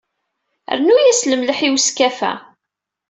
Rnu-yas lemleḥ i weskaf-a.